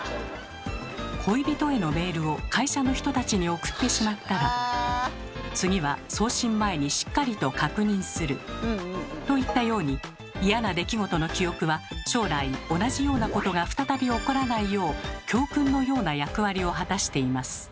恋人へのメールを会社の人たちに送ってしまったら次は送信前にしっかりと確認するといったように嫌な出来事の記憶は将来同じようなことが再び起こらないよう教訓のような役割を果たしています。